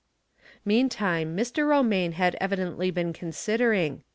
Meantime Mr. Romaine had evidently been considering.